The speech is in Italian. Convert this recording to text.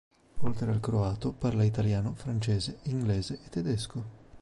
Oltre al croato, parla italiano, francese, inglese e tedesco.